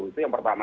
itu yang pertama